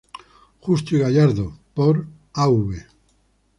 Justo y Gallardo por: Av.